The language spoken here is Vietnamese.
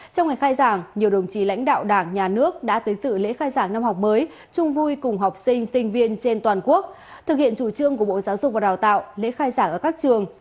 trong ngày khai giảng nhiều đồng chí lãnh đạo đảng nhà nước đã tới sự lễ khai giảng năm học mới chung vui cùng học sinh sinh viên nhân viên